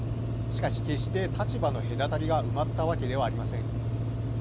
しかし決して立場の隔たりが埋まったわけではありません。